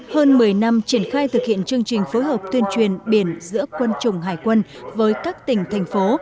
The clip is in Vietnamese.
hơn một mươi năm triển khai thực hiện chương trình phối hợp tuyên truyền biển giữa quân chủng hải quân với các tỉnh thành phố